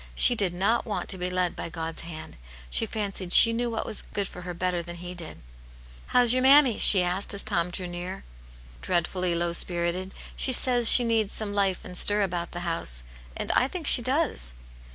She did not want to be led by God's hand ; she fancied she knew what was good for her bettec than He did. ," How's your mammie ?" she asked, as Tom drew near, "Dreadfully low spirited. She says "she needi^ some life and stir about the house. And I think she does."